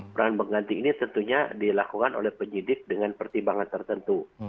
peran pengganti ini tentunya dilakukan oleh penyidik dengan pertimbangan tertentu